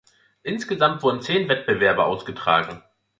Insgesamt wurden zehn Wettbewerbe austragen.